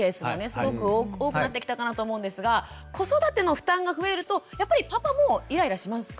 すごく多くなってきたかなと思うんですが子育ての負担が増えるとやっぱりパパもイライラしますかね？